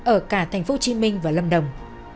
ở cả thành phố hồ chí minh và lâm đồng